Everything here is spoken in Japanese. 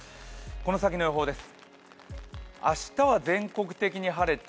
この先の予報です。